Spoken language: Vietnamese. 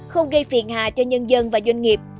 không gây phiền hà cho nhân dân và doanh nghiệp